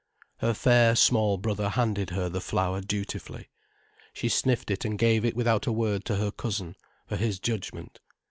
Her fair, small brother handed her the flower dutifully. She sniffed it and gave it without a word to her cousin, for his judgment.